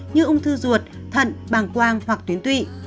như ung thư ruột thận bàng quang hoặc tuyến tụy